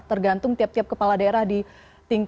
tergantung tiap tiap kepala daerah di tingkat